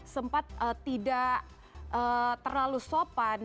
sempat tidak terlalu sopan